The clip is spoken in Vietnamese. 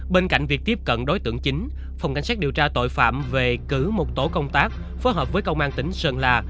bên cạnh việc tiếp cận đối tượng chính phòng cảnh sát điều tra tội phạm về cử một tổ công tác phối hợp với công an tỉnh sơn la